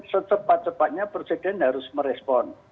sesepat sepatnya presiden harus merespon